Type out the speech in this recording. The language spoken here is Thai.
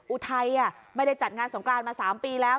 อุทัยไม่ได้จัดงานสงกรานมา๓ปีแล้ว